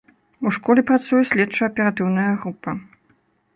У школе працуе следча-аператыўная група.